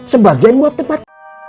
sebagian buat tempat